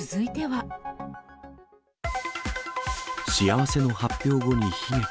幸せの発表後に悲劇。